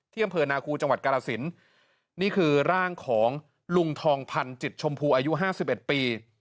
อำเภอนาคูจังหวัดกาลสินนี่คือร่างของลุงทองพันธ์จิตชมพูอายุห้าสิบเอ็ดปี